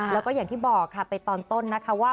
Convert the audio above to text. แล้วก็อย่างที่บอกค่ะไปตอนต้นนะคะว่า